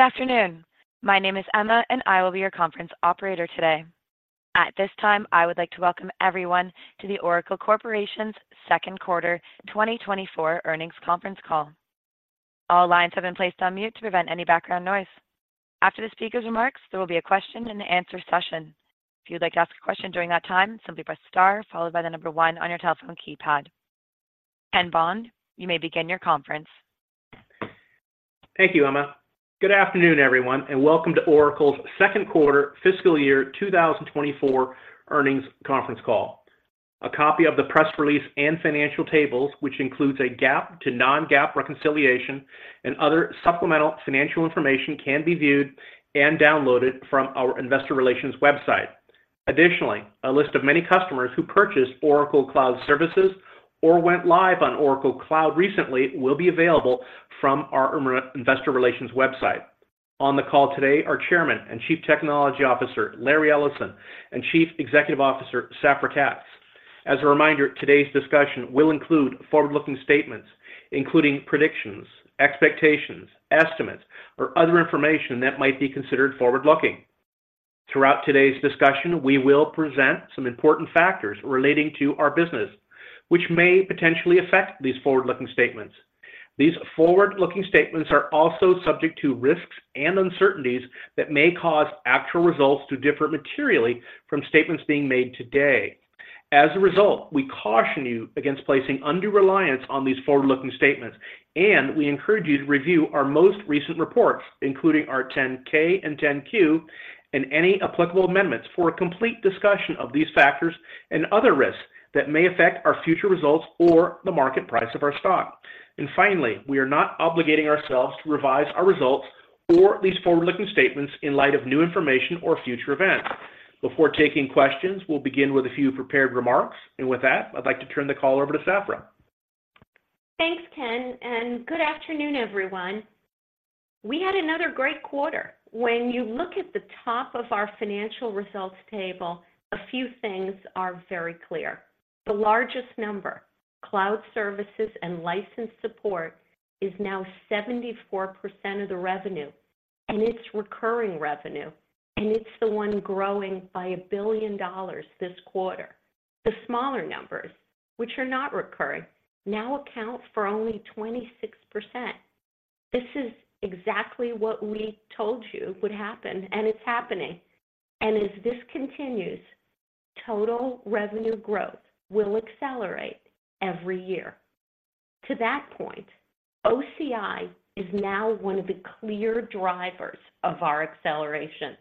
Good afternoon. My name is Emma, and I will be your conference operator today. At this time, I would like to welcome everyone to the Oracle Corporation's Second Quarter 2024 Earnings Conference Call. All lines have been placed on mute to prevent any background noise. After the speaker's remarks, there will be a question and answer session. If you'd like to ask a question during that time, simply press star followed by the number one on your telephone keypad. Ken Bond, you may begin your conference. Thank you, Emma. Good afternoon, everyone, and welcome to Oracle's Second Quarter Fiscal Year 2024 Earnings Conference Call. A copy of the press release and financial tables, which includes a GAAP to non-GAAP reconciliation and other supplemental financial information, can be viewed and downloaded from our investor relations website. Additionally, a list of many customers who purchased Oracle Cloud Services or went live on Oracle Cloud recently will be available from our investor relations website. On the call today are Chairman and Chief Technology Officer, Larry Ellison, and Chief Executive Officer, Safra Catz. As a reminder, today's discussion will include forward-looking statements, including predictions, expectations, estimates, or other information that might be considered forward-looking. Throughout today's discussion, we will present some important factors relating to our business, which may potentially affect these forward-looking statements. These forward-looking statements are also subject to risks and uncertainties that may cause actual results to differ materially from statements being made today. As a result, we caution you against placing undue reliance on these forward-looking statements, and we encourage you to review our most recent reports, including our 10-K and 10-Q, and any applicable amendments for a complete discussion of these factors and other risks that may affect our future results or the market price of our stock. And finally, we are not obligating ourselves to revise our results or these forward-looking statements in light of new information or future events. Before taking questions, we'll begin with a few prepared remarks. And with that, I'd like to turn the call over to Safra. Thanks, Ken, and good afternoon, everyone. We had another great quarter. When you look at the top of our financial results table, a few things are very clear. The largest number, Cloud services and license support, is now 74% of the revenue, and it's recurring revenue, and it's the one growing by $1 billion this quarter. The smaller numbers, which are not recurring, now account for only 26%. This is exactly what we told you would happen, and it's happening. And as this continues, total revenue growth will accelerate every year. To that point, OCI is now one of the clear drivers of our acceleration.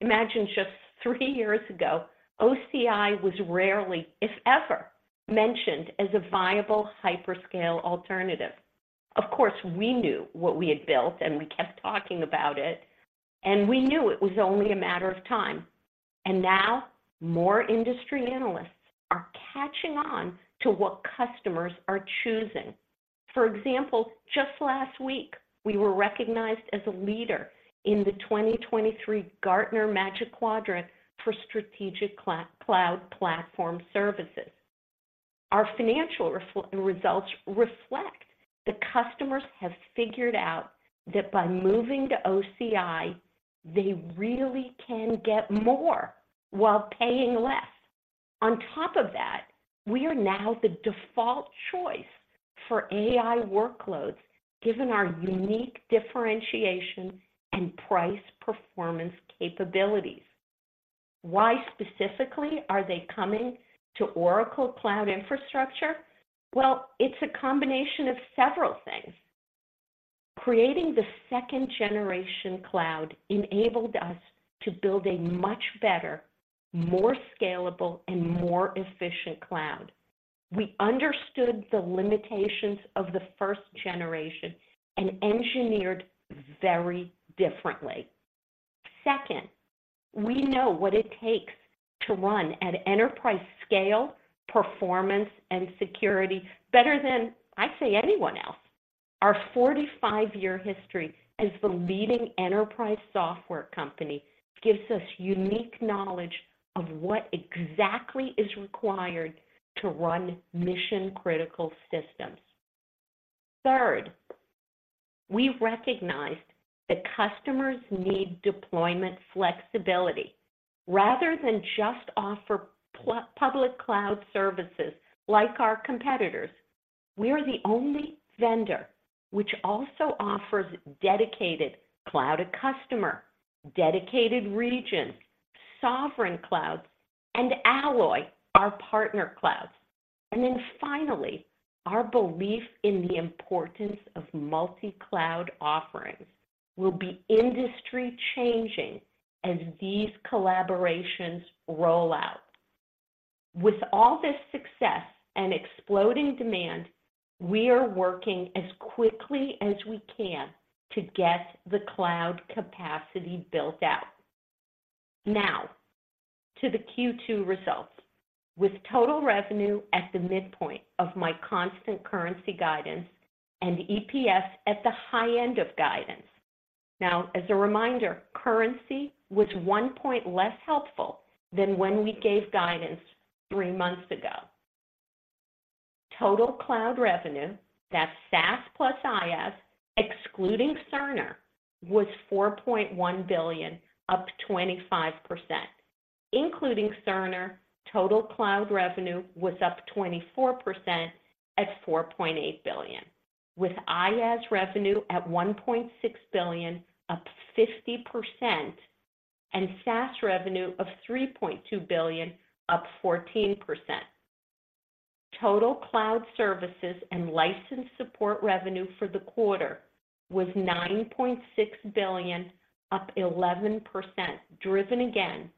Imagine just 3 years ago, OCI was rarely, if ever, mentioned as a viable hyperscale alternative. Of course, we knew what we had built, and we kept talking about it, and we knew it was only a matter of time. And now more industry analysts are catching on to what customers are choosing. For example, just last week, we were recognized as a leader in the 2023 Gartner Magic Quadrant for Strategic Cloud Platform Services. Our financial results reflect the customers have figured out that by moving to OCI, they really can get more while paying less. On top of that, we are now the default choice for AI workloads, given our unique differentiation and price performance capabilities. Why specifically are they coming to Oracle Cloud Infrastructure? Well, it's a combination of several things. Creating the second-generation cloud enabled us to build a much better, more scalable, and more efficient cloud. We understood the limitations of the first generation and engineered very differently. Second, we know what it takes to run at enterprise scale, performance, and security better than, I'd say, anyone else. Our 45-year history as the leading enterprise software company gives us unique knowledge of what exactly is required to run mission-critical systems. Third, we recognized that customers need deployment flexibility. Rather than just offer public cloud services like our competitors, we are the only vendor which also offers dedicated Cloud@Customer, dedicated regions, sovereign clouds, and Alloy, our partner clouds. And then finally, our belief in the importance of multi-cloud offerings will be industry-changing as these collaborations roll out. With all this success and exploding demand, we are working as quickly as we can to get the cloud capacity built out. Now, to the Q2 results. With total revenue at the midpoint of my constant currency guidance and EPS at the high end of guidance. Now, as a reminder, currency was 1 point less helpful than when we gave guidance three months ago. Total cloud revenue, that's SaaS plus IaaS, excluding Cerner, was $4.1 billion, up 25%. Including Cerner, total cloud revenue was up 24% at $4.8 billion, with IaaS revenue at $1.6 billion, up 50%, and SaaS revenue of $3.2 billion, up 14%. Total cloud services and license support revenue for the quarter was $9.6 billion, up 11%, driven again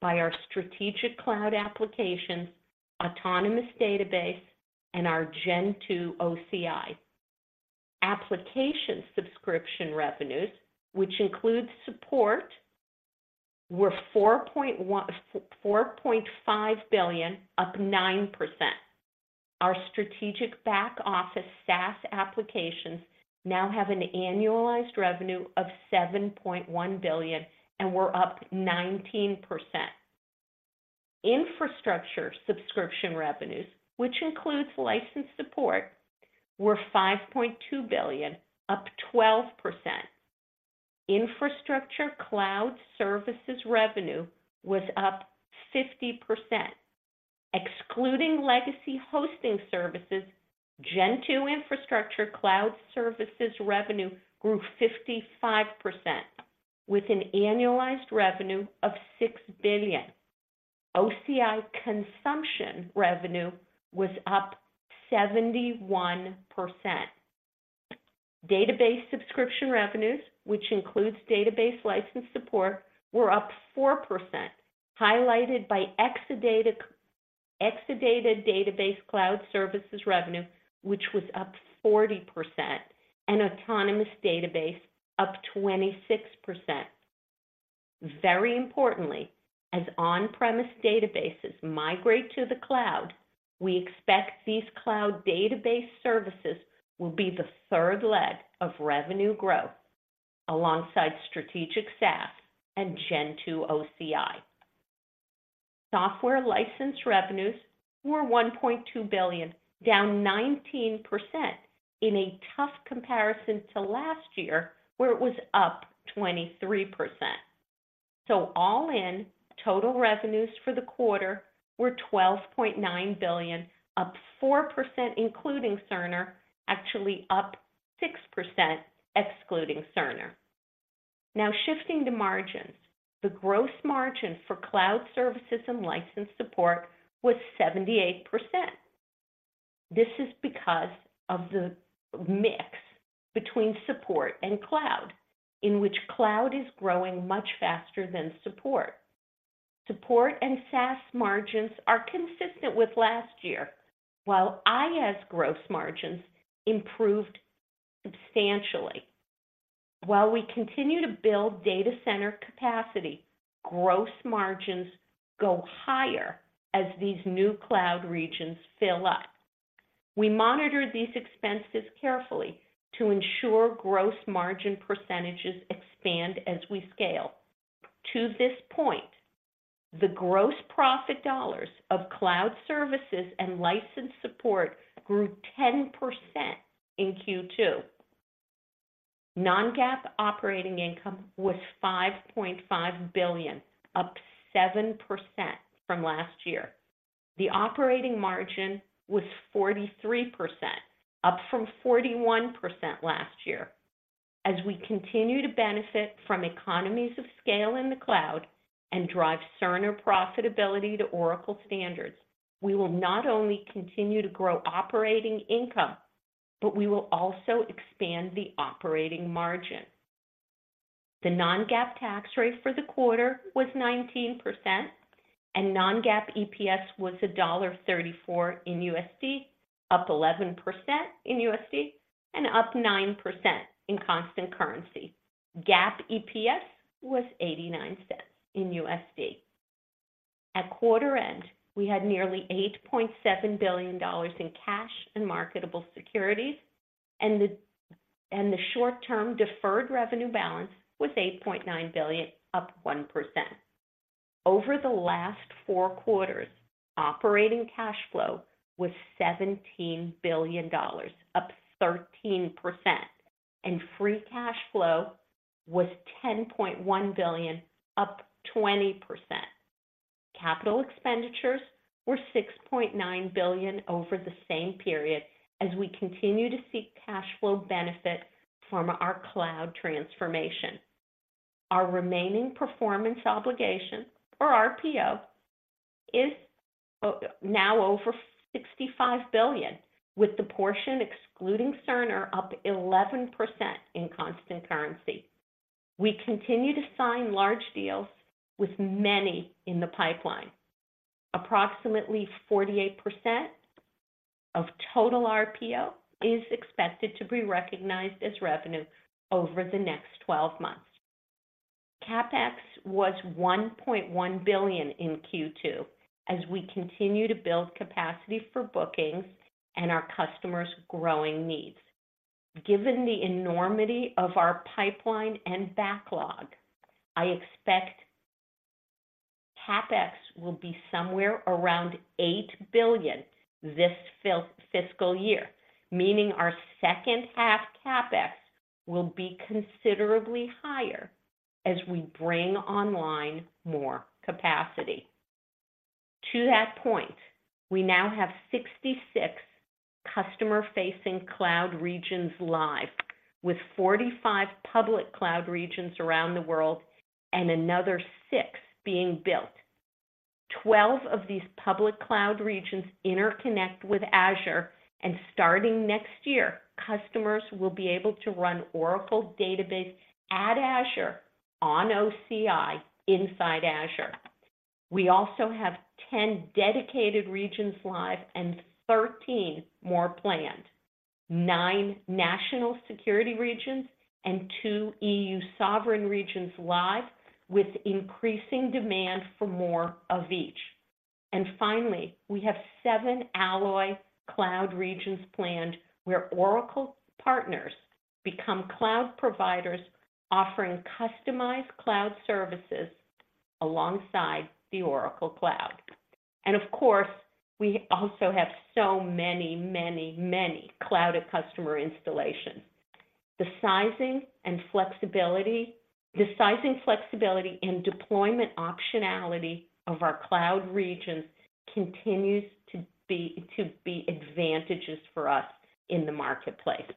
by our strategic cloud applications, Autonomous Database, and our Gen 2 OCI. Application subscription revenues, which includes support, were $4.5 billion, up 9%. Our strategic back-office SaaS applications now have an annualized revenue of $7.1 billion, and we're up 19%. Infrastructure subscription revenues, which includes license support, were $5.2 billion, up 12%. Infrastructure cloud services revenue was up 50%. Excluding legacy hosting services, Gen 2 infrastructure cloud services revenue grew 55%, with an annualized revenue of $6 billion. OCI consumption revenue was up 71%. Database subscription revenues, which includes database license support, were up 4%, highlighted by Exadata, Exadata Database Cloud Services revenue, which was up 40%, and Autonomous Database, up 26%. Very importantly, as on-premise databases migrate to the cloud, we expect these cloud database services will be the third leg of revenue growth, alongside strategic SaaS and Gen 2 OCI. Software license revenues were $1.2 billion, down 19% in a tough comparison to last year, where it was up 23%. So all in, total revenues for the quarter were $12.9 billion, up 4%, including Cerner, actually up 6%, excluding Cerner. Now, shifting to margins, the gross margin for cloud services and license support was 78%. This is because of the mix between support and cloud, in which cloud is growing much faster than support. Support and SaaS margins are consistent with last year, while IaaS gross margins improved substantially. While we continue to build data center capacity, gross margins go higher as these new cloud regions fill up. We monitor these expenses carefully to ensure gross margin percentages expand as we scale. To this point, the gross profit dollars of cloud services and license support grew 10% in Q2. Non-GAAP operating income was $5.5 billion, up 7% from last year. The operating margin was 43%, up from 41% last year. As we continue to benefit from economies of scale in the cloud and drive Cerner profitability to Oracle standards, we will not only continue to grow operating income, but we will also expand the operating margin. The non-GAAP tax rate for the quarter was 19%, and non-GAAP EPS was $1.34 in USD, up 11% in USD, and up 9% in constant currency. GAAP EPS was $0.89 in USD. At quarter end, we had nearly $8.7 billion in cash and marketable securities, and the short-term deferred revenue balance was $8.9 billion, up 1%. Over the last four quarters, operating cash flow was $17 billion, up 13%, and free cash flow was $10.1 billion, up 20%. Capital expenditures were $6.9 billion over the same period as we continue to seek cash flow benefit from our cloud transformation. Our remaining performance obligation, or RPO, is now over $65 billion, with the portion excluding Cerner up 11% in constant currency. We continue to sign large deals with many in the pipeline. Approximately 48% of total RPO is expected to be recognized as revenue over the next 12 months. CapEx was $1.1 billion in Q2 as we continue to build capacity for bookings and our customers' growing needs. Given the enormity of our pipeline and backlog, I expect CapEx will be somewhere around $8 billion this fiscal year, meaning our second half CapEx will be considerably higher as we bring online more capacity. To that point, we now have 66 customer-facing cloud regions live, with 45 public cloud regions around the world and another 6 being built. Twelve of these public cloud regions interconnect with Azure, and starting next year, customers will be able to run Oracle Database@Azure on OCI inside Azure. We also have 10 dedicated regions live and 13 more planned, 9 national security regions, and 2 EU sovereign regions live, with increasing demand for more of each. And finally, we have 7 Alloy cloud regions planned, where Oracle partners become cloud providers, offering customized cloud services alongside the Oracle Cloud. And of course, we also have so many, many, many Cloud@Customer installations. The sizing and flexibility, the sizing, flexibility, and deployment optionality of our cloud regions continues to be, to be advantages for us in the marketplace.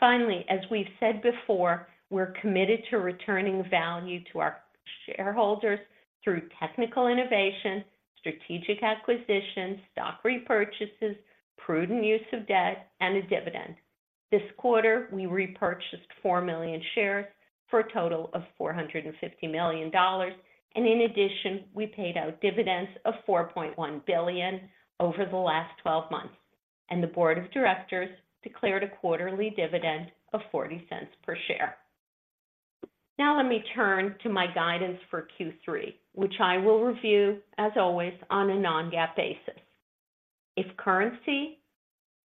Finally, as we've said before, we're committed to returning value to our shareholders through technical innovation, strategic acquisitions, stock repurchases, prudent use of debt, and a dividend. This quarter, we repurchased 4 million shares for a total of $450 million, and in addition, we paid out dividends of $4.1 billion over the last 12 months, and the board of directors declared a quarterly dividend of $0.40 per share. Now let me turn to my guidance for Q3, which I will review, as always, on a non-GAAP basis. If currency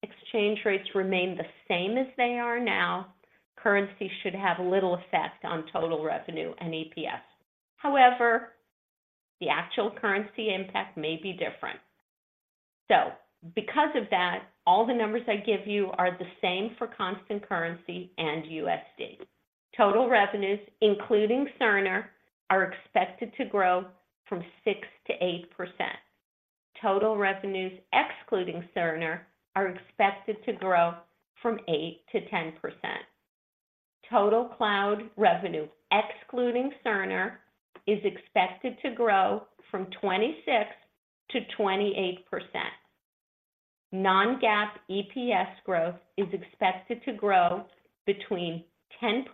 exchange rates remain the same as they are now, currency should have little effect on total revenue and EPS. However, the actual currency impact may be different. So because of that, all the numbers I give you are the same for constant currency and USD. Total revenues, including Cerner, are expected to grow 6%-8%. Total revenues, excluding Cerner, are expected to grow 8%-10%. Total cloud revenue, excluding Cerner, is expected to grow 26%-28%. Non-GAAP EPS growth is expected to grow between 10%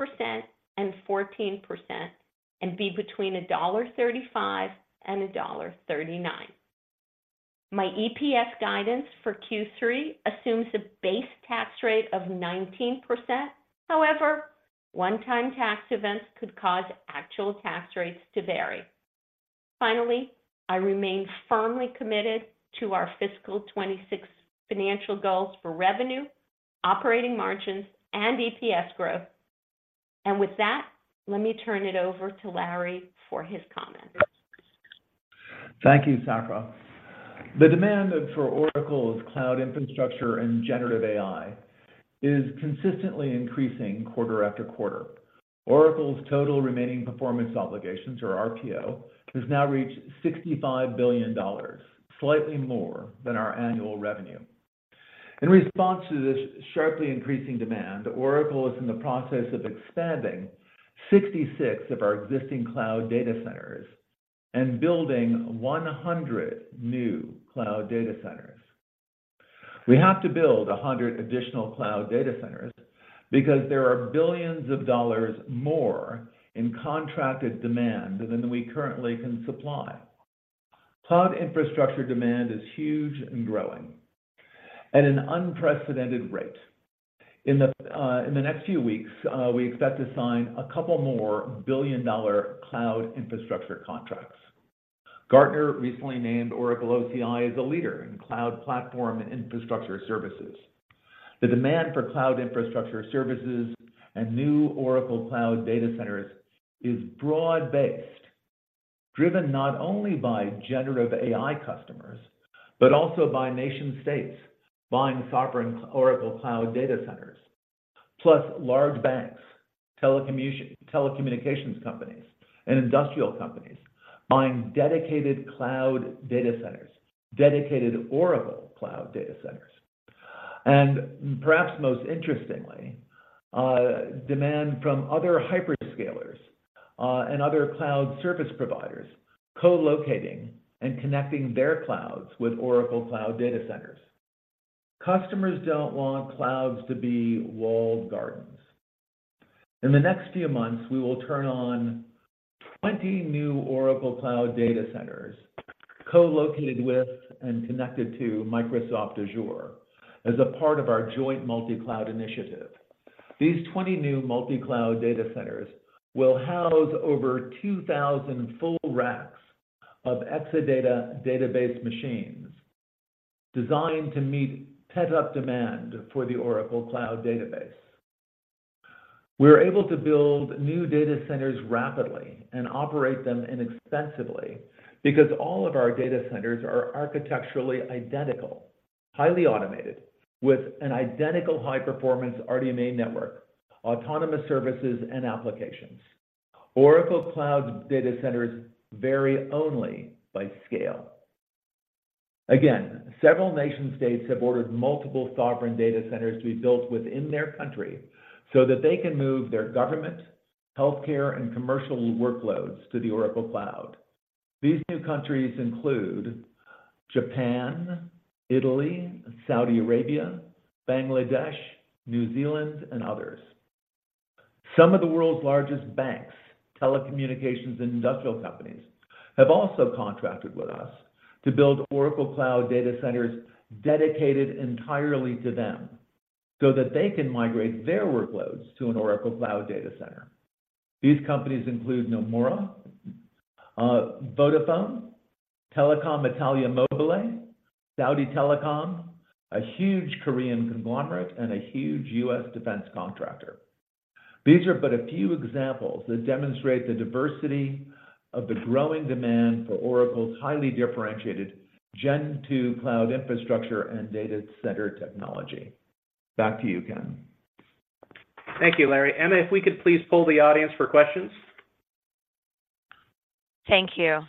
and 14% and be between $1.35 and $1.39. My EPS guidance for Q3 assumes a base tax rate of 19%. However, one-time tax events could cause actual tax rates to vary. Finally, I remain firmly committed to our fiscal 2026 financial goals for revenue, operating margins, and EPS growth. And with that, let me turn it over to Larry for his comments. Thank you, Safra. The demand for Oracle's cloud infrastructure and generative AI is consistently increasing quarter after quarter. Oracle's total remaining performance obligations, or RPO, has now reached $65 billion, slightly more than our annual revenue. In response to this sharply increasing demand, Oracle is in the process of expanding 66 of our existing cloud data centers and building 100 new cloud data centers. We have to build 100 additional cloud data centers because there are billions of dollars more in contracted demand than we currently can supply. Cloud infrastructure demand is huge and growing at an unprecedented rate. In the next few weeks, we expect to sign a couple more billion-dollar cloud infrastructure contracts. Gartner recently named Oracle OCI as a leader in cloud platform infrastructure services. The demand for cloud infrastructure services and new Oracle Cloud data centers is broad-based, driven not only by generative AI customers, but also by nation states buying sovereign Oracle Cloud data centers, plus large banks, telecommunications companies, and industrial companies buying dedicated cloud data centers, dedicated Oracle Cloud data centers. Perhaps most interestingly, demand from other hyperscalers and other cloud service providers, co-locating and connecting their clouds with Oracle Cloud data centers. Customers don't want clouds to be walled gardens. In the next few months, we will turn on 20 new Oracle Cloud data centers, co-located with and connected to Microsoft Azure as a part of our joint multi-cloud initiative. These 20 new multi-cloud data centers will house over 2,000 full racks of Exadata database machines designed to meet step-up demand for the Oracle Cloud Database. We are able to build new data centers rapidly and operate them inexpensively because all of our data centers are architecturally identical, highly automated, with an identical high-performance RDMA network, autonomous services, and applications. Oracle Cloud data centers vary only by scale. Again, several nation states have ordered multiple sovereign data centers to be built within their country so that they can move their government, healthcare, and commercial workloads to the Oracle Cloud. These new countries include Japan, Italy, Saudi Arabia, Bangladesh, New Zealand, and others. Some of the world's largest banks, telecommunications, and industrial companies have also contracted with us to build Oracle Cloud data centers dedicated entirely to them, so that they can migrate their workloads to an Oracle Cloud data center. These companies include Nomura, Vodafone, Telecom Italia Mobile, Saudi Telecom, a huge Korean conglomerate, and a huge US defense contractor. These are but a few examples that demonstrate the diversity of the growing demand for Oracle's highly differentiated Gen 2 cloud infrastructure and data center technology. Back to you, Ken. Thank you, Larry. Emma, if we could please pull the audience for questions. Thank you.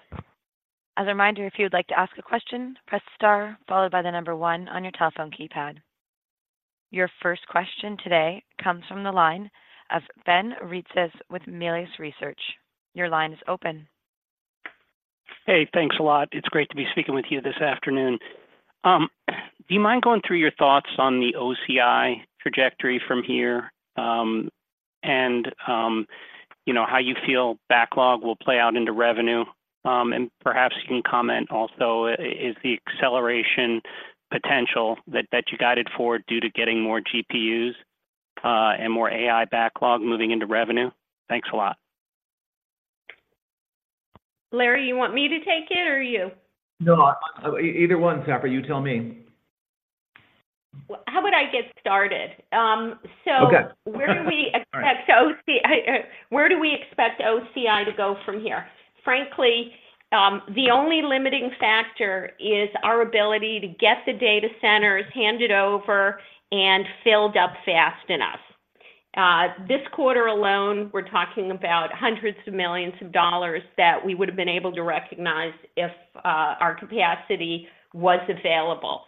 As a reminder, if you'd like to ask a question, press star followed by the number one on your telephone keypad. Your first question today comes from the line of Ben Reitzes with Melius Research. Your line is open. Hey, thanks a lot. It's great to be speaking with you this afternoon. Do you mind going through your thoughts on the OCI trajectory from here, and, you know, how you feel backlog will play out into revenue? And perhaps you can comment also, is the acceleration potential that, that you guided for due to getting more GPUs, and more AI backlog moving into revenue? Thanks a lot. Larry, you want me to take it or you? No, either one, Safra, you tell me. Well, how about I get started? Okay. Where do we expect OCI to go from here? Frankly, the only limiting factor is our ability to get the data centers handed over and filled up fast enough. This quarter alone, we're talking about $hundreds of millions that we would have been able to recognize if our capacity was available.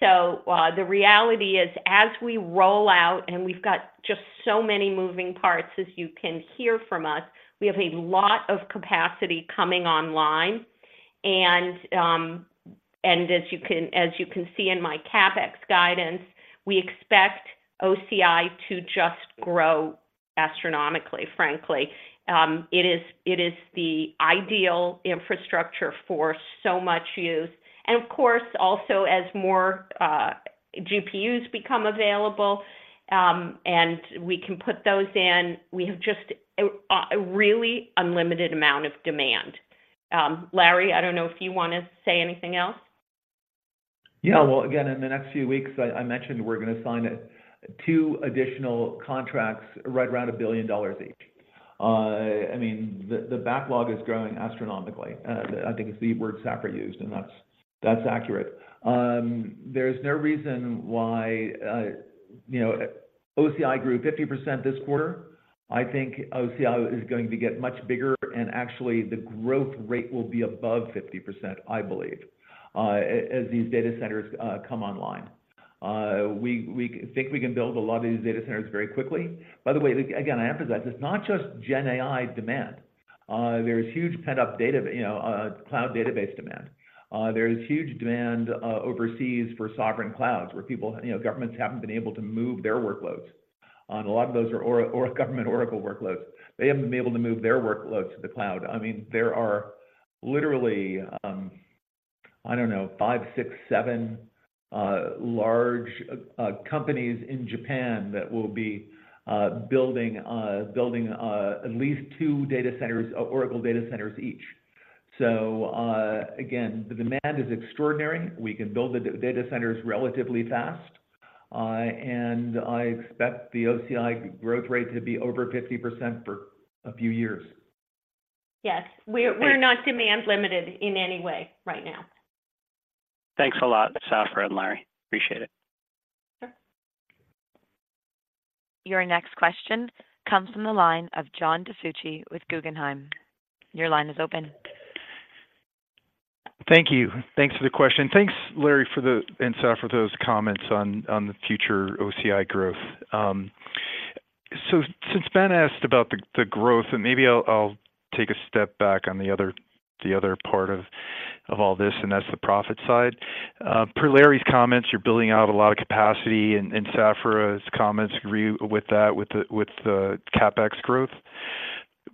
So, the reality is, as we roll out, and we've got just so many moving parts, as you can hear from us, we have a lot of capacity coming online. As you can see in my CapEx guidance, we expect OCI to just grow astronomically, frankly. It is the ideal infrastructure for so much use. And of course, also as more GPUs become available, and we can put those in, we have just a really unlimited amount of demand. Larry, I don't know if you want to say anything else. Yeah, well, again, in the next few weeks, I mentioned we're going to sign two additional contracts right around $1 billion each. I mean, the backlog is growing astronomically. I think it's the word Safra used, and that's accurate. There's no reason why, you know... OCI grew 50% this quarter. I think OCI is going to get much bigger, and actually, the growth rate will be above 50%, I believe, as these data centers come online. We think we can build a lot of these data centers very quickly. By the way, again, I emphasize, it's not just Gen AI demand. There's huge pent-up data, you know, cloud database demand. There is huge demand overseas for sovereign clouds, where people, you know, governments haven't been able to move their workloads. A lot of those are Oracle or government Oracle workloads. They haven't been able to move their workloads to the cloud. I mean, there are literally, I don't know, 5, 6, 7 large companies in Japan that will be building at least 2 data centers, Oracle data centers each. Again, the demand is extraordinary. We can build the data centers relatively fast, and I expect the OCI growth rate to be over 50% for a few years. Yes. Great. We're not demand limited in any way right now. Thanks a lot, Safra and Larry. Appreciate it. Your next question comes from the line of John DiFucci with Guggenheim. Your line is open. Thank you. Thanks for the question. Thanks, Larry, for the... and Safra, for those comments on, on the future OCI growth. So since Ben asked about the, the growth, and maybe I'll, I'll take a step back on the other, the other part of, of all this, and that's the profit side. Per Larry's comments, you're building out a lot of capacity, and, and Safra's comments agree with that, with the, with the CapEx growth.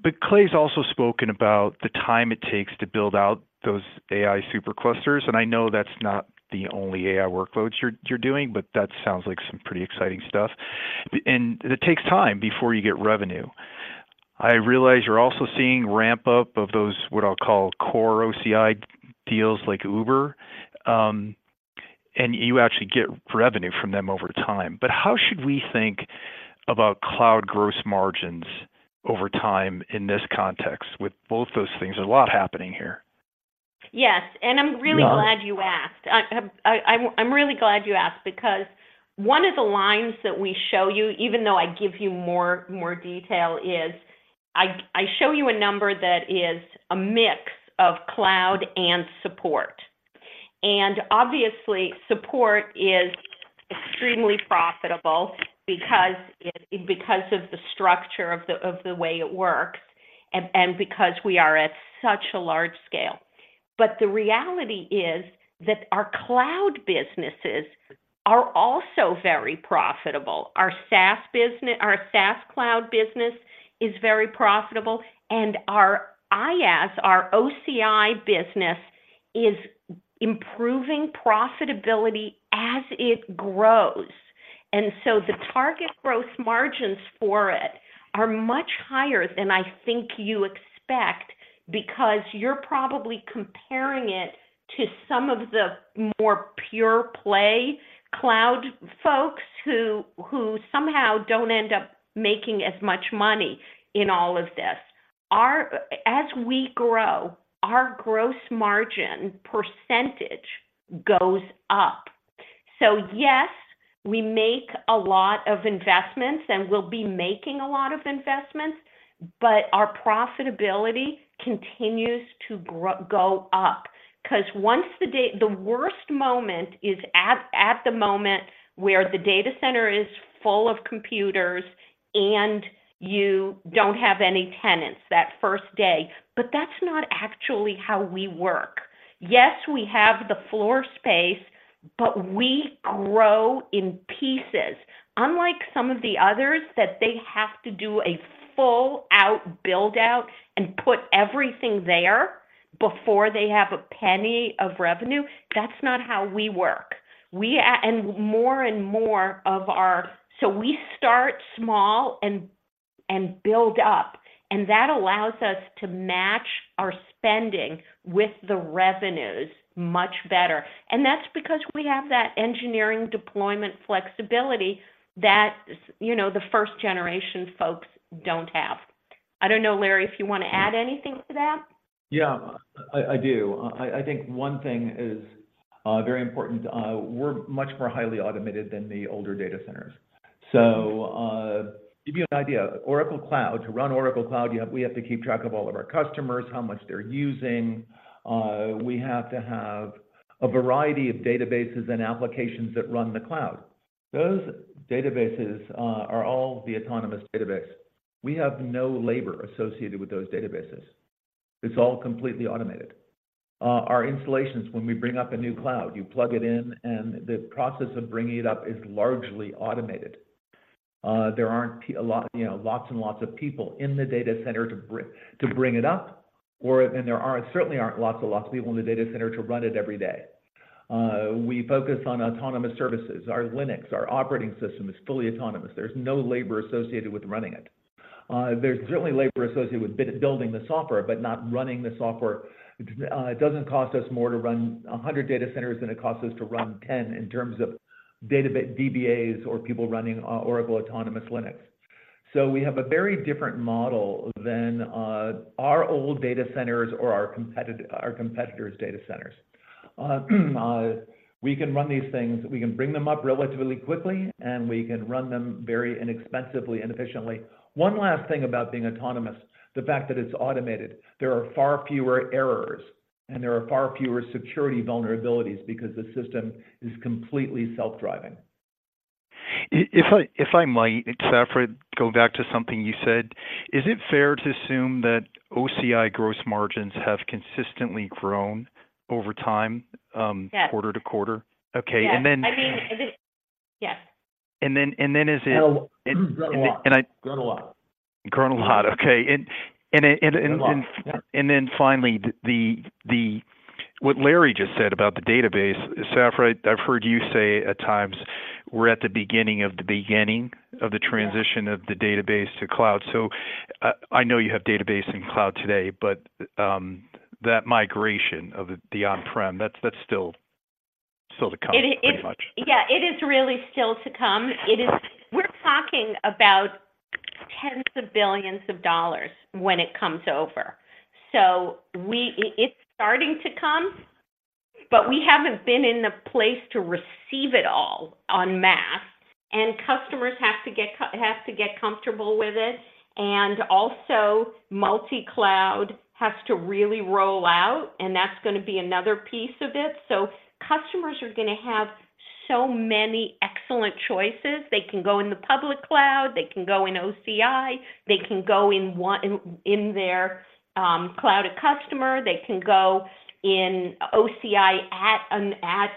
But Clay's also spoken about the time it takes to build out those AI superclusters, and I know that's not the only AI workloads you're, you're doing, but that sounds like some pretty exciting stuff. And it takes time before you get revenue.... I realize you're also seeing ramp up of those, what I'll call core OCI deals like Uber, and you actually get revenue from them over time. But how should we think about cloud gross margins over time in this context with both those things? There's a lot happening here. Yes, and I'm really glad you asked. I, I'm really glad you asked, because one of the lines that we show you, even though I give you more detail, is I show you a number that is a mix of cloud and support. And obviously, support is extremely profitable because of the structure of the way it works, and because we are at such a large scale. But the reality is that our cloud businesses are also very profitable. Our SaaS business, our SaaS cloud business is very profitable, and our IaaS, our OCI business, is improving profitability as it grows. And so the target growth margins for it are much higher than I think you expect because you're probably comparing it to some of the more pure play cloud folks who somehow don't end up making as much money in all of this. As we grow, our gross margin percentage goes up. So yes, we make a lot of investments, and we'll be making a lot of investments, but our profitability continues to grow, go up. 'Cause once the worst moment is at the moment where the data center is full of computers and you don't have any tenants, that first day. But that's not actually how we work. Yes, we have the floor space, but we grow in pieces. Unlike some of the others that have to do a full-out build-out and put everything there before they have a penny of revenue, that's not how we work. We and more and more of our... So we start small and, and build up, and that allows us to match our spending with the revenues much better. And that's because we have that engineering deployment flexibility that, you know, the first-generation folks don't have. I don't know, Larry, if you wanna add anything to that? Yeah, I do. I think one thing is very important, we're much more highly automated than the older data centers. So, to give you an idea, Oracle Cloud, to run Oracle Cloud, we have to keep track of all of our customers, how much they're using. We have to have a variety of databases and applications that run the cloud. Those databases are all the Autonomous Database. We have no labor associated with those databases. It's all completely automated. Our installations, when we bring up a new cloud, you plug it in, and the process of bringing it up is largely automated. There aren't a lot, you know, lots and lots of people in the data center to bring it up, and there aren't, certainly aren't lots and lots of people in the data center to run it every day. We focus on autonomous services. Our Linux, our operating system, is fully autonomous. There's no labor associated with running it. There's certainly labor associated with building the software, but not running the software. It doesn't cost us more to run 100 data centers than it costs us to run 10 in terms of database DBAs or people running Oracle Autonomous Linux. So we have a very different model than our old data centers or our competitors' data centers. We can run these things, we can bring them up relatively quickly, and we can run them very inexpensively and efficiently. One last thing about being autonomous, the fact that it's automated. There are far fewer errors, and there are far fewer security vulnerabilities because the system is completely self-driving. If I might, Safra, go back to something you said. Is it fair to assume that OCI gross margins have consistently grown over time? Yes... quarter to quarter? Okay, and then- Yes. I mean, and then, yes. And then is it- Well, grown a lot. Grown a lot, okay. Grown a lot, yeah.... and then finally, what Larry just said about the database, Safra, I've heard you say at times, we're at the beginning of the beginning of the transition- Yes... of the database to cloud. So I know you have database in cloud today, but that migration of the on-prem, that's still to come, pretty much. It is, yeah, it is really still to come. It is. We're talking about $10s of billions when it comes over. So we, it's starting to come, but we haven't been in the place to receive it all en masse, and customers have to get comfortable with it, and also, multi-cloud has to really roll out, and that's gonna be another piece of it. So customers are gonna have so many excellent choices. They can go in the public cloud, they can go in OCI, they can go in one, in their Cloud@Customer, they can go in OCI at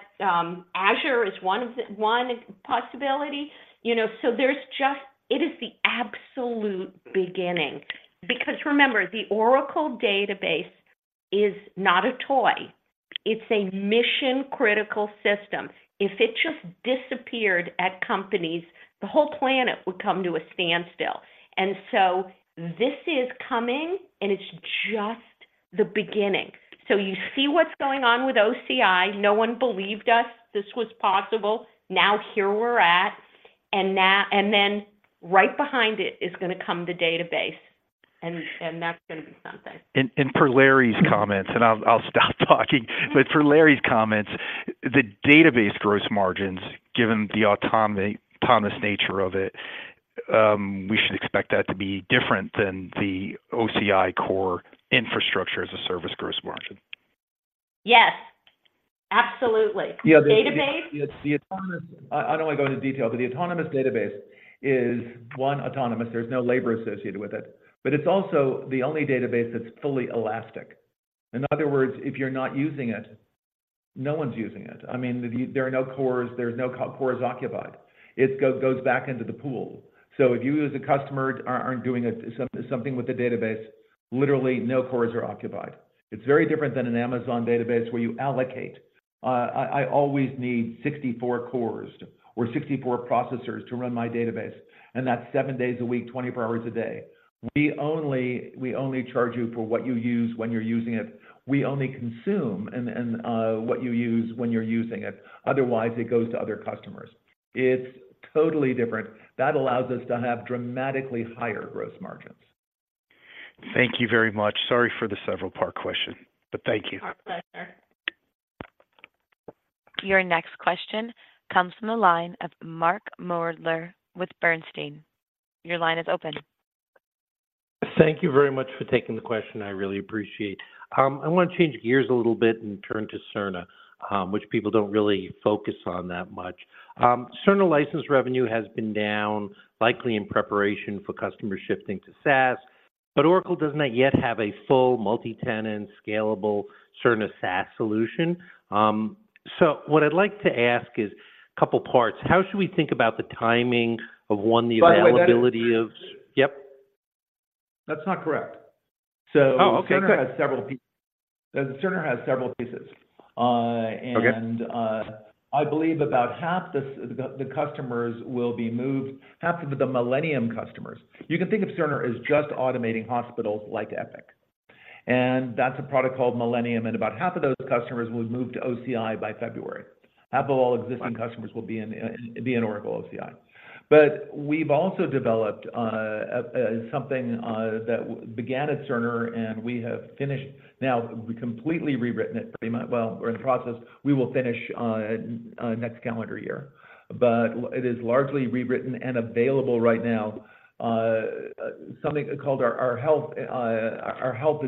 Azure, which is one possibility. You know, so there's just... It is the absolute beginning. Because remember, the Oracle Database is not a toy, it's a mission-critical system. If it just disappeared at companies, the whole planet would come to a standstill. And so this is coming, and it's just the beginning. So you see what's going on with OCI? No one believed us this was possible. Now, here we're at, and now, and then right behind it is gonna come the database, and, and that's gonna be something. For Larry's comments, and I'll stop talking. But for Larry's comments, the database gross margins, given the autonomous nature of it, we should expect that to be different than the OCI core infrastructure as a service gross margin? Yes, absolutely. Yeah, the- Database- It's the Autonomous Database. I don't want to go into detail, but the Autonomous Database is one autonomous. There's no labor associated with it. But it's also the only database that's fully elastic. In other words, if you're not using it, no one's using it. I mean, there are no cores, there's no cores occupied. It goes back into the pool. So if you, as a customer, aren't doing something with the database, literally no cores are occupied. It's very different than an Amazon database where you allocate. I always need 64 cores or 64 processors to run my database, and that's 7 days a week, 20 hours a day. We only charge you for what you use when you're using it. We only consume what you use when you're using it. Otherwise, it goes to other customers. It's totally different. That allows us to have dramatically higher gross margins. Thank you very much. Sorry for the several-part question, but thank you. Our pleasure. Your next question comes from the line of Mark Moerdler with Bernstein. Your line is open. Thank you very much for taking the question. I really appreciate. I want to change gears a little bit and turn to Cerner, which people don't really focus on that much. Cerner license revenue has been down, likely in preparation for customer shifting to SaaS, but Oracle does not yet have a full multi-tenant, scalable Cerner SaaS solution. So what I'd like to ask is a couple parts. How should we think about the timing of, one, the availability of- By the way, that is- Yep. That's not correct. Oh, okay, good. Cerner has several pieces. Okay. I believe about half the customers will be moved, half of the Millennium customers. You can think of Cerner as just automating hospitals like Epic, and that's a product called Millennium, and about half of those customers will move to OCI by February. Half of all existing customers- Okay... will be in Oracle OCI. But we've also developed a something that began at Cerner, and we have finished. Now, we completely rewritten it pretty much. Well, we're in the process. We will finish next calendar year, but it is largely rewritten and available right now, something called our Health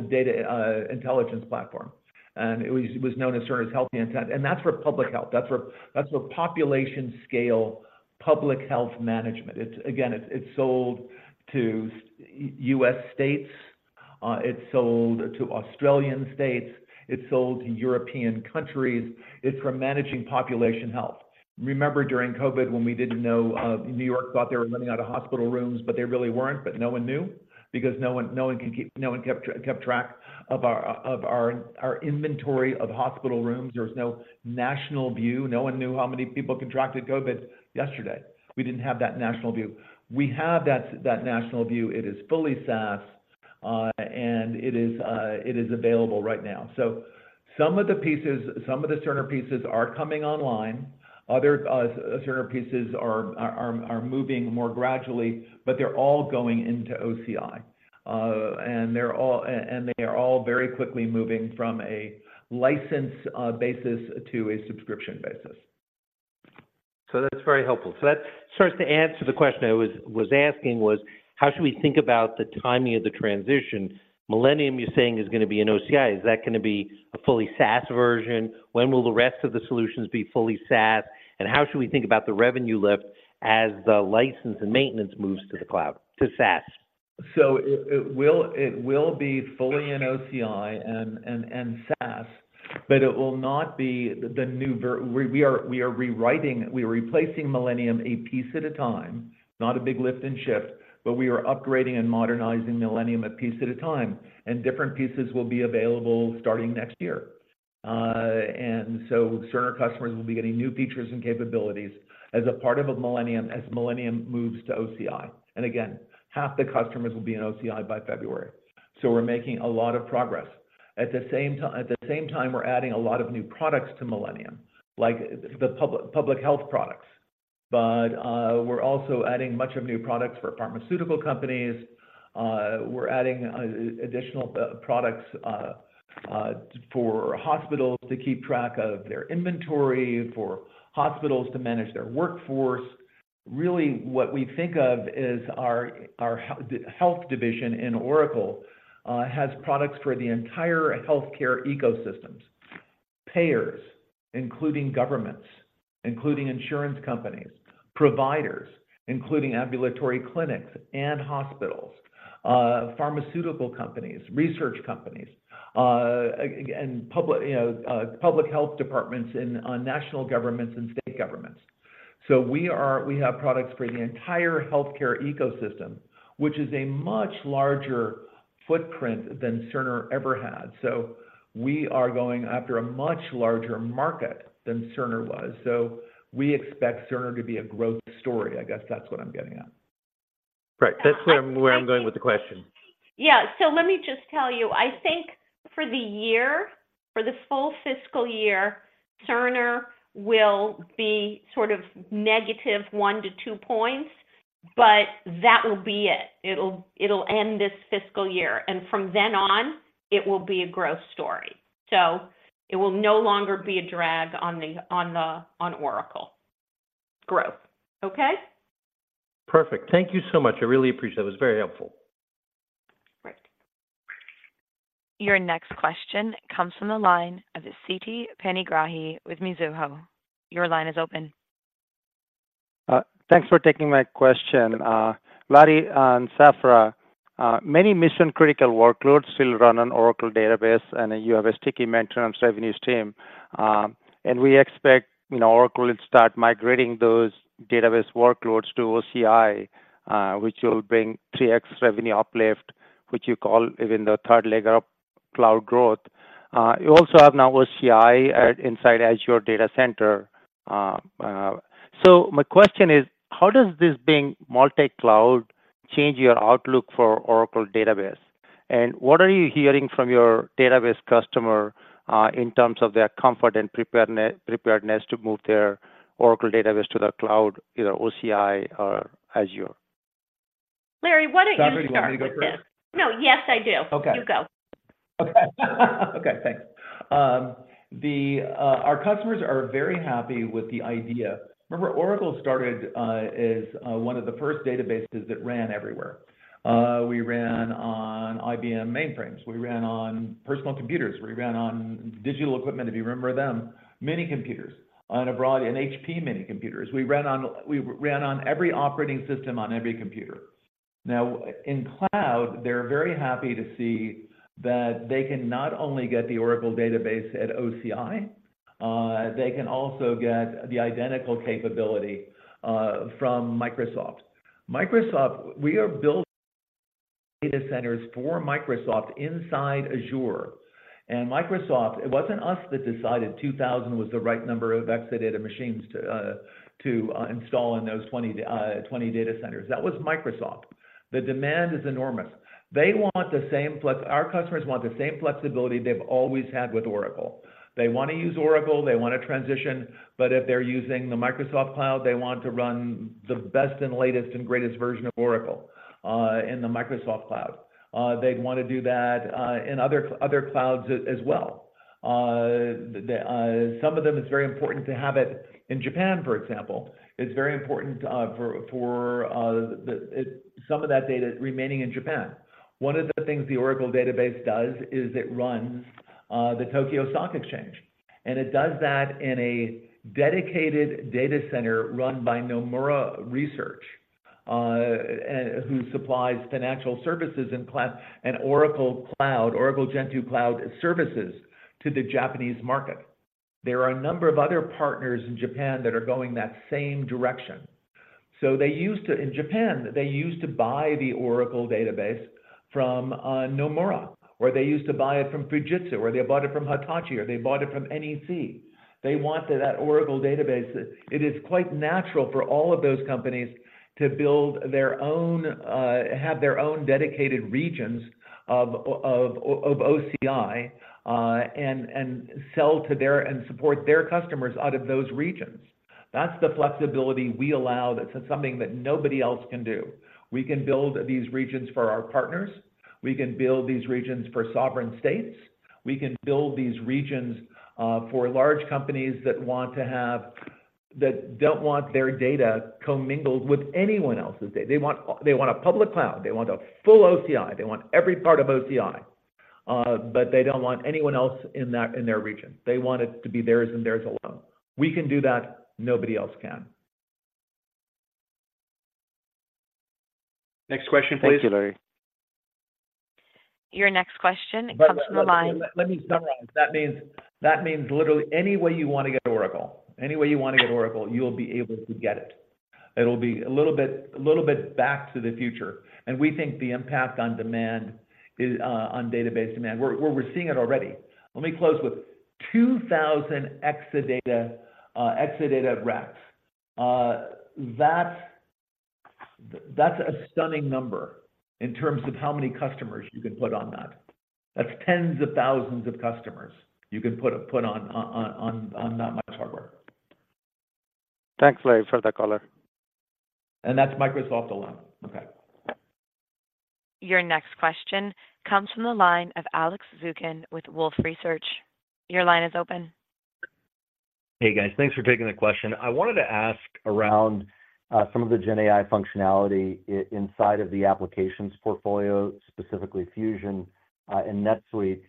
Data Intelligence Platform, and it was known as Cerner's HealthInsight, and that's for public health. That's for population scale, public health management. It's again, it's sold to U.S. states, it's sold to Australian states, it's sold to European countries. It's for managing population health. Remember, during COVID, when we didn't know, New York thought they were running out of hospital rooms, but they really weren't, but no one knew? Because no one kept track of our inventory of hospital rooms. There was no national view. No one knew how many people contracted COVID yesterday. We didn't have that national view. We have that national view. It is fully SaaS and it is available right now. So some of the pieces, some of the Cerner pieces are coming online, other Cerner pieces are moving more gradually, but they're all going into OCI and they are all very quickly moving from a license basis to a subscription basis. So that's very helpful. So that starts to answer the question I was asking: How should we think about the timing of the transition? Millennium, you're saying, is gonna be an OCI. Is that gonna be a fully SaaS version? When will the rest of the solutions be fully SaaS, and how should we think about the revenue lift as the license and maintenance moves to the cloud, to SaaS? So it will be fully in OCI and SaaS, but we are rewriting, we are replacing Millennium a piece at a time, not a big lift and shift, but we are upgrading and modernizing Millennium a piece at a time, and different pieces will be available starting next year. And so Cerner customers will be getting new features and capabilities as a part of a Millennium, as Millennium moves to OCI. And again, half the customers will be in OCI by February. So we're making a lot of progress. At the same time, we're adding a lot of new products to Millennium, like the public health products. But we're also adding much of new products for pharmaceutical companies. We're adding additional products for hospitals to keep track of their inventory, for hospitals to manage their workforce. Really, what we think of is our health division in Oracle has products for the entire healthcare ecosystems. Payers, including governments, including insurance companies. Providers, including ambulatory clinics and hospitals, pharmaceutical companies, research companies, and public, you know, public health departments in national governments and state governments. So we have products for the entire healthcare ecosystem, which is a much larger footprint than Cerner ever had. So we are going after a much larger market than Cerner was. So we expect Cerner to be a growth story. I guess that's what I'm getting at. Right. That's where I'm going with the question. Yeah. So let me just tell you, I think for the year, for this full fiscal year, Cerner will be sort of negative 1-2 points, but that will be it. It'll end this fiscal year, and from then on, it will be a growth story. So it will no longer be a drag on the Oracle growth. Okay? Perfect. Thank you so much. I really appreciate it. It was very helpful. Great. Your next question comes from the line of Siti Panigrahi with Mizuho. Your line is open. Thanks for taking my question. Larry and Safra, many mission-critical workloads still run on Oracle Database, and you have a sticky maintenance revenues team. And we expect, you know, Oracle to start migrating those database workloads to OCI, which will bring three extra revenue uplift, which you call even the third leg of cloud growth. You also have now OCI inside Azure Data Center. So my question is, how does this being multi-cloud change your outlook for Oracle Database? And what are you hearing from your database customer, in terms of their comfort and preparedness to move their Oracle Database to the cloud, either OCI or Azure? Larry, why don't you start with this? Safra, you want me to go first? No, yes, I do. Okay. You go. Okay. Okay, thanks. The, our customers are very happy with the idea. Remember, Oracle started as one of the first databases that ran everywhere. We ran on IBM mainframes, we ran on personal computers, we ran on Digital Equipment, if you remember them, mini computers on a broad... And HP mini computers. We ran on every operating system on every computer. Now, in cloud, they're very happy to see that they can not only get the Oracle Database at OCI, they can also get the identical capability from Microsoft. Microsoft, we are building data centers for Microsoft inside Azure. And Microsoft, it wasn't us that decided 2000 was the right number of Exadata machines to install in those 20 data centers. That was Microsoft. The demand is enormous. Our customers want the same flexibility they've always had with Oracle. They want to use Oracle, they want to transition, but if they're using the Microsoft Cloud, they want to run the best and latest and greatest version of Oracle in the Microsoft Cloud. They'd want to do that in other clouds as well. Some of them, it's very important to have it in Japan, for example. It's very important for some of that data remaining in Japan. One of the things the Oracle Database does is it runs the Tokyo Stock Exchange, and it does that in a dedicated data center run by Nomura Research, who supplies financial services in cloud and Oracle Cloud, Oracle Gen 2 Cloud services to the Japanese market. There are a number of other partners in Japan that are going that same direction. So they used to, in Japan, they used to buy the Oracle Database from Nomura, or they used to buy it from Fujitsu, or they bought it from Hitachi, or they bought it from NEC. They want that Oracle Database. It is quite natural for all of those companies to build their own, have their own dedicated regions of OCI, and sell to their and support their customers out of those regions. That's the flexibility we allow. That's something that nobody else can do. We can build these regions for our partners, we can build these regions for sovereign states, we can build these regions for large companies that don't want their data commingled with anyone else's data. They want, they want a public cloud, they want a full OCI, they want every part of OCI, but they don't want anyone else in that, in their region. They want it to be theirs and theirs alone. We can do that, nobody else can. Next question, please. Thank you, Larry. Your next question comes from the line- But let me summarize. That means, that means literally any way you want to get Oracle, any way you want to get Oracle, you will be able to get it. It'll be a little bit, a little bit back to the future, and we think the impact on demand is on database demand; we're seeing it already. Let me close with 2,000 Exadata racks. That's a stunning number in terms of how many customers you can put on that. That's tens of thousands of customers you can put on that much hardware. Thanks, Larry, for the color. That's Microsoft alone. Okay. Your next question comes from the line of Alex Zukin with Wolfe Research. Your line is open. Hey, guys. Thanks for taking the question. I wanted to ask around some of the GenAI functionality inside of the applications portfolio, specifically Fusion and NetSuite.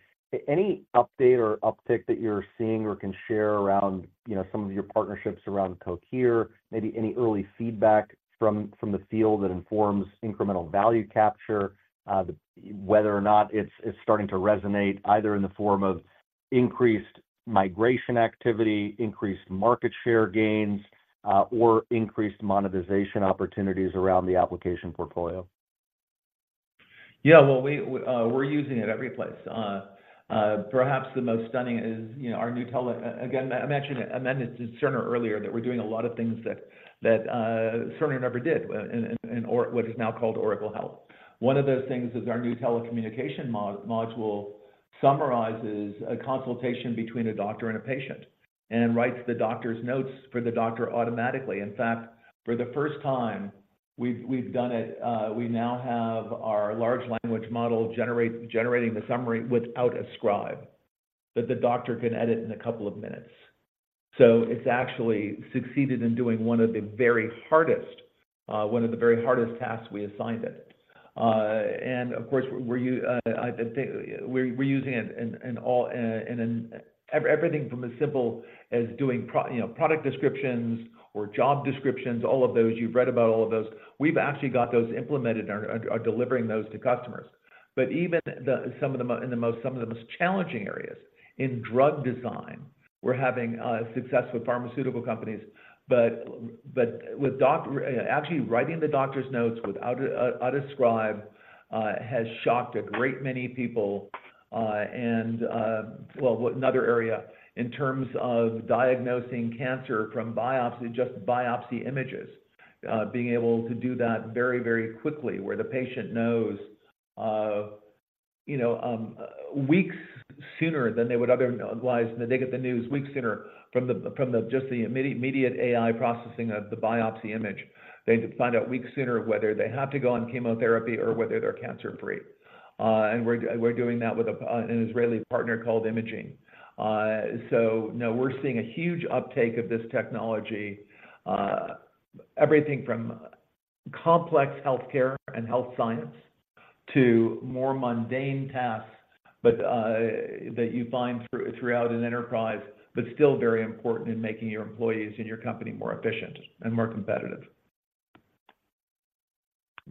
Any update or uptick that you're seeing or can share around, you know, some of your partnerships around Cohere, maybe any early feedback from the field that informs incremental value capture, whether or not it's starting to resonate either in the form of increased migration activity, increased market share gains, or increased monetization opportunities around the application portfolio? Yeah, well, we, we're using it every place. Perhaps the most stunning is, you know, our new telecommunication module. Again, I mentioned it, I mentioned to Cerner earlier that we're doing a lot of things that Cerner never did in what is now called Oracle Health. One of those things is our new telecommunication module, summarizes a consultation between a doctor and a patient, and writes the doctor's notes for the doctor automatically. In fact, for the first time, we've done it, we now have our large language model generating the summary without a scribe, that the doctor can edit in a couple of minutes. So it's actually succeeded in doing one of the very hardest tasks we assigned it. And of course, we're using it in all everything from as simple as doing product descriptions or job descriptions, all of those, you've read about all of those. We've actually got those implemented and are delivering those to customers. But even some of the most challenging areas, in drug design, we're having success with pharmaceutical companies. But with doctors, actually writing the doctor's notes without a scribe has shocked a great many people. Well, another area, in terms of diagnosing cancer from biopsy, just biopsy images, being able to do that very, very quickly, where the patient knows, you know, weeks sooner than they would otherwise, they get the news weeks sooner from just the immediate AI processing of the biopsy image. They find out weeks sooner whether they have to go on chemotherapy or whether they're cancer-free. And we're doing that with an Israeli partner called Imagene. So no, we're seeing a huge uptake of this technology, everything from complex healthcare and health science to more mundane tasks, but that you find throughout an enterprise, but still very important in making your employees and your company more efficient and more competitive.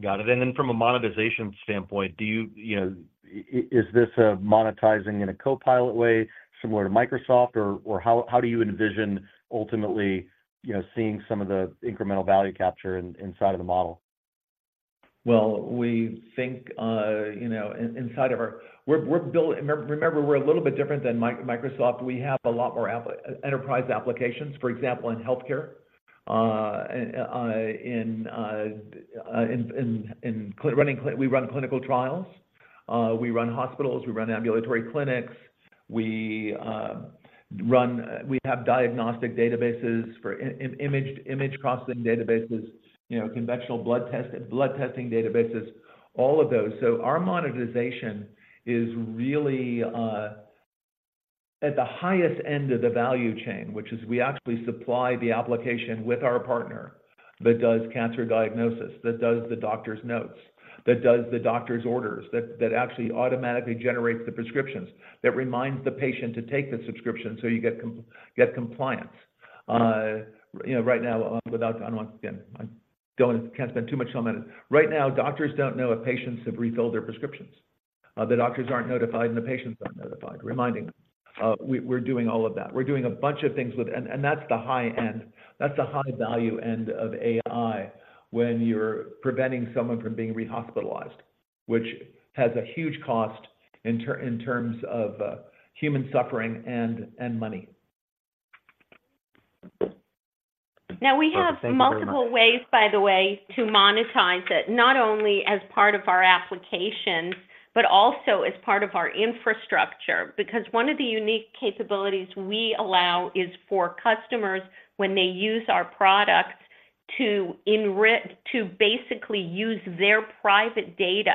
Got it. And then from a monetization standpoint, do you, you know, is this monetizing in a Copilot way, similar to Microsoft, or, or how, how do you envision ultimately, you know, seeing some of the incremental value capture inside of the model? Well, we think, you know, inside of our... We're building—remember, we're a little bit different than Microsoft. We have a lot more enterprise applications, for example, in healthcare, in running clinical trials, we run hospitals, we run ambulatory clinics, we run—we have diagnostic databases for imaging, image processing databases, you know, conventional blood testing, blood testing databases, all of those. So our monetization is really at the highest end of the value chain, which is we actually supply the application with our partner that does cancer diagnosis, that does the doctor's notes, that does the doctor's orders, that actually automatically generates the prescriptions, that reminds the patient to take the prescription, so you get compliance. You know, right now, without, I don't want, again, I don't, can't spend too much time on it. Right now, doctors don't know if patients have refilled their prescriptions. The doctors aren't notified, and the patients aren't notified, reminding them. We're doing all of that. We're doing a bunch of things with... That's the high end. That's the high value end of AI, when you're preventing someone from being rehospitalized, which has a huge cost in terms of human suffering and money. Now, we have- Thank you very much. Multiple ways, by the way, to monetize it, not only as part of our applications, but also as part of our infrastructure. Because one of the unique capabilities we allow is for customers, when they use our products, to basically use their private data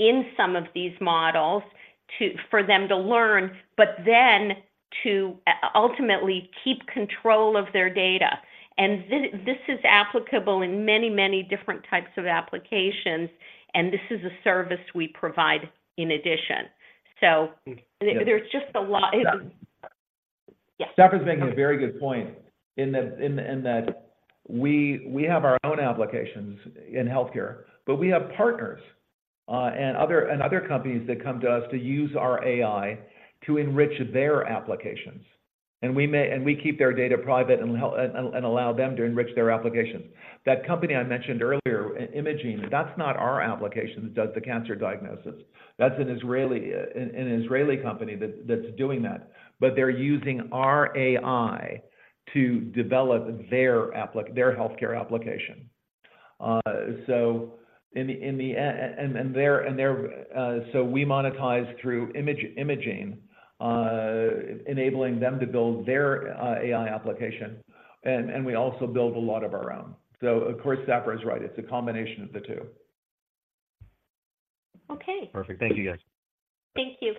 in some of these models to, for them to learn, but then to ultimately keep control of their data. And this is applicable in many, many different types of applications, and this is a service we provide in addition. So- Mm. There's just a lot- Safra. Yes. Safra is making a very good point, in that we have our own applications in healthcare, but we have partners and other companies that come to us to use our AI to enrich their applications. And we keep their data private and help and allow them to enrich their applications. That company I mentioned earlier, Imaging, that's not our application that does the cancer diagnosis. That's an Israeli company that's doing that, but they're using our AI to develop their healthcare application. So in the end, they're using our AI. So we monetize through Imaging, enabling them to build their AI application, and we also build a lot of our own. So of course, Safra is right, it's a combination of the two. Okay. Perfect. Thank you, guys. Thank you.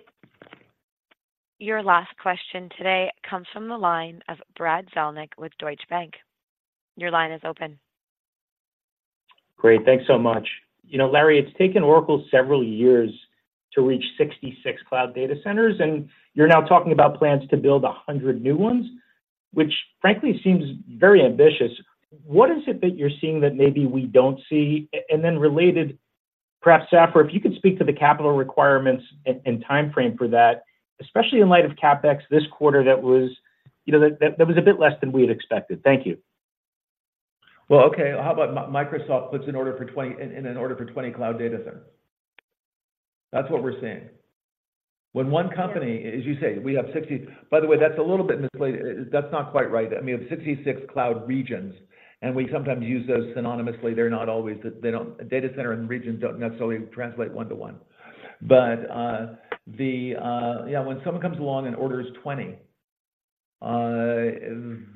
Your last question today comes from the line of Brad Zelnick with Deutsche Bank. Your line is open. Great. Thanks so much. You know, Larry, it's taken Oracle several years to reach 66 cloud data centers, and you're now talking about plans to build 100 new ones, which frankly seems very ambitious. What is it that you're seeing that maybe we don't see? Perhaps Safra, if you could speak to the capital requirements and timeframe for that, especially in light of CapEx this quarter, that was, you know, that was a bit less than we had expected. Thank you. Well, okay, how about Microsoft puts an order for 20—an order for 20 cloud data centers? That's what we're seeing. When one company, as you say, we have 60. By the way, that's a little bit misleading. That's not quite right. I mean, we have 66 cloud regions, and we sometimes use those synonymously. They're not always. Data center and regions don't necessarily translate one to one. But, yeah, when someone comes along and orders 20,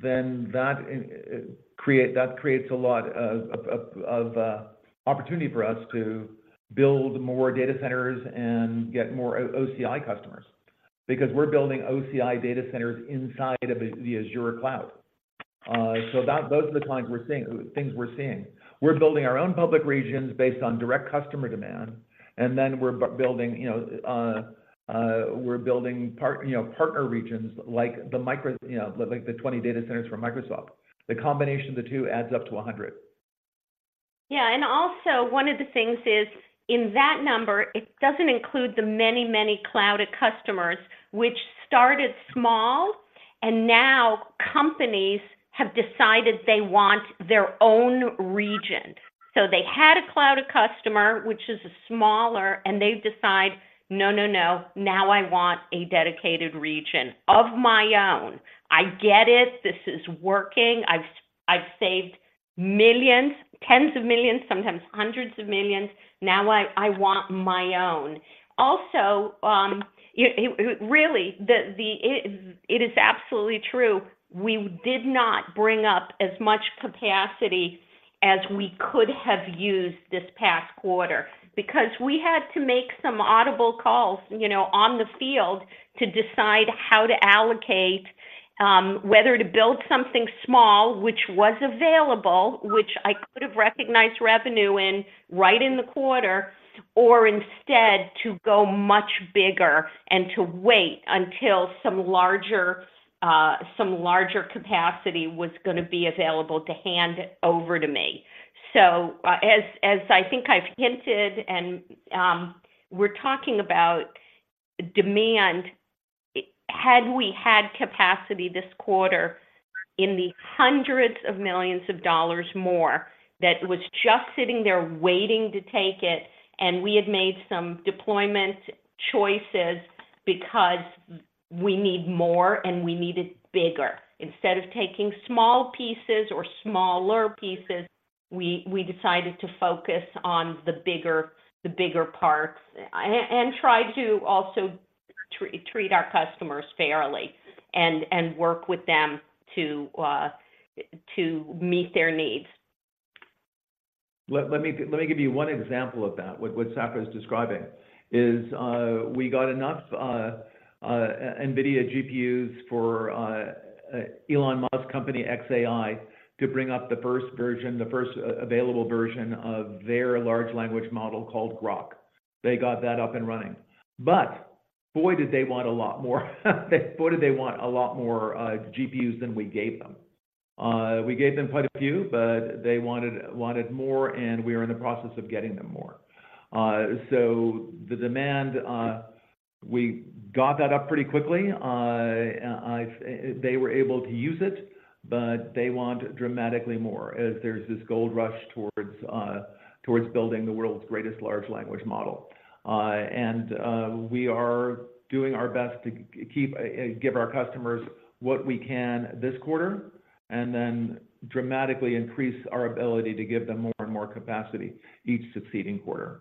then that creates a lot of opportunity for us to build more data centers and get more OCI customers. Because we're building OCI data centers inside of the Azure cloud. So that, those are the kinds we're seeing, things we're seeing. We're building our own public regions based on direct customer demand, and then we're building, you know, partner regions like the Microsoft, you know, like the 20 data centers for Microsoft. The combination of the two adds up to 100. Yeah, and also one of the things is, in that number, it doesn't include the many, many Cloud@Customers, which started small, and now companies have decided they want their own region. So they had a Cloud@Customer, which is a smaller, and they've decided, "No, no, no, now I want a dedicated region of my own. I get it, this is working. I've, I've saved $millions, $tens of millions, sometimes $hundreds of millions. Now I want my own." Also, it really is absolutely true, we did not bring up as much capacity as we could have used this past quarter because we had to make some audible calls, you know, on the field to decide how to allocate whether to build something small, which was available, which I could have recognized revenue in right in the quarter, or instead to go much bigger and to wait until some larger capacity was gonna be available to hand over to me. As I think I've hinted, and we're talking about demand, had we had capacity this quarter in the $hundreds of millions more, that was just sitting there waiting to take it, and we had made some deployment choices because we need more, and we need it bigger. Instead of taking small pieces or smaller pieces, we decided to focus on the bigger parts and try to also treat our customers fairly and work with them to meet their needs. Let me give you one example of that, what Safra is describing is, we got enough NVIDIA GPUs for Elon Musk's company, xAI, to bring up the first version, the first available version of their large language model called Grok. They got that up and running, but boy, did they want a lot more. Boy, did they want a lot more GPUs than we gave them. We gave them quite a few, but they wanted more, and we are in the process of getting them more. So the demand, we got that up pretty quickly. They were able to use it, but they want dramatically more as there's this gold rush towards building the world's greatest large language model. And we are doing our best to keep give our customers what we can this quarter, and then dramatically increase our ability to give them more and more capacity each succeeding quarter.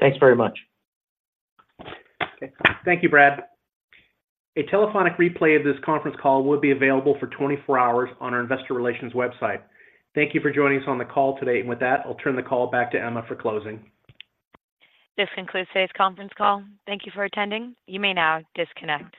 Thanks very much. Okay. Thank you, Brad. A telephonic replay of this conference call will be available for 24 hours on our investor relations website. Thank you for joining us on the call today. With that, I'll turn the call back to Emma for closing. This concludes today's conference call. Thank you for attending. You may now disconnect.